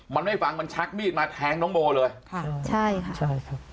มันไม่ฟังมันชักมีดมาแทงน้องโมเลยใช่ค่ะ